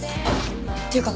っていうか